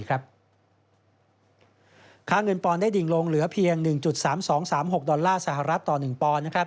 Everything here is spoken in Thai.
ค่าเงินปอนได้ดิ่งลงเหลือเพียง๑๓๒๓๖ดอลลาร์สหรัฐต่อ๑ปอนด์